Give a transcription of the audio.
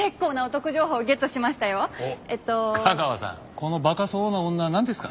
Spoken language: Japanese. この馬鹿そうな女はなんですか？